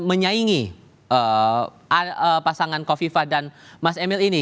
menyaingi pasangan kofifa dan mas emil ini